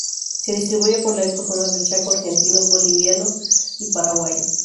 Se distribuye por la ecozona del Chaco argentino, boliviano y paraguayo.